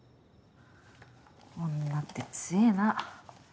女って強えな。